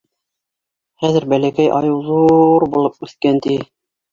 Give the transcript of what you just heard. Хәҙер бәләкәй айыу ҙу-ур булып үҫкән, ти.